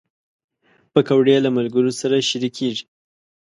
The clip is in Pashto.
پکورې له ملګرو سره شریکېږي